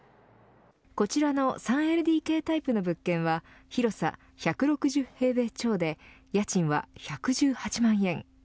こちらの３ＬＤＫタイプの物件は広さ１６０平米超で家賃は１１８万円。